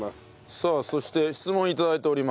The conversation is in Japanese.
さあそして質問を頂いております。